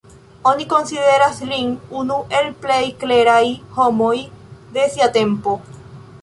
Oni konsideras lin unu el plej kleraj homoj de sia tempo.